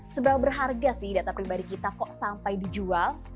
seberapa berharga sih data pribadi kita kok sampai dijual